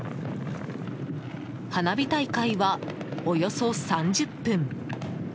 花火大会はおよそ３０分。